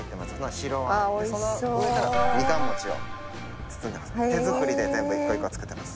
白あん上からみかん餅を包んでます。